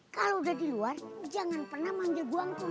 kalau udah di luar jangan pernah manggil gue angkut